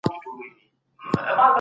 لويه جرګه به تل د خپلواکۍ شعارونه ورکوي.